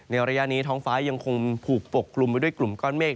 ระยะนี้ท้องฟ้ายังคงถูกปกกลุ่มไปด้วยกลุ่มก้อนเมฆ